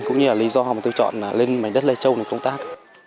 cũng như là lý do mà tôi chọn lên mảnh đất lai châu này công tác